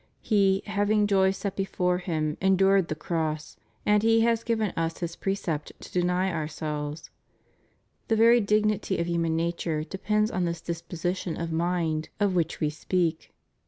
He having joy set before Him endured the cross, and He has given us His precept to deny ourselves. The very dignity of human nature depends on this disposition of mind of which we speak.